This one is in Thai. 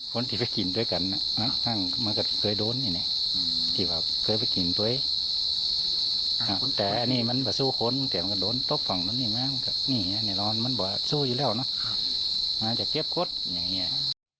คนที่ไปกินด้วยกันน่ะมันก็เคยโดนอย่างนี้อืม